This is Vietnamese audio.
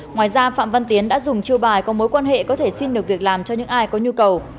ngoài ra phạm văn tiến đã dùng chiêu bài có mối quan hệ có thể xin được việc làm cho những ai có nhu cầu